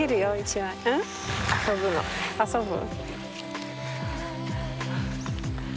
遊ぶ？